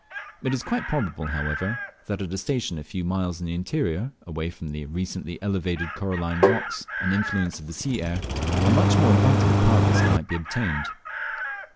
It is quite probable, however, that at a station a few miles in the interior, away from the recently elevated coralline rocks and the influence of the sea air, a much more abundant harvest might be obtained.